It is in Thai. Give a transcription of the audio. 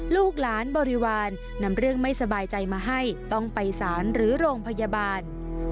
ลูกหลานบริวารนำเรื่องไม่สบายใจมาให้ต้องไปสารหรือโรงพยาบาล